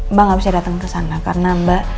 mba gak bisa dateng kesana karena mba